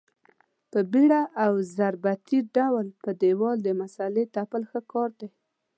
په بېړه او ضربتي ډول په دېوال د مسالې تپل ښه کار دی.